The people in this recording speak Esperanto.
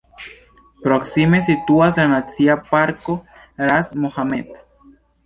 Proksime situas la nacia parko "Ras Mohammed".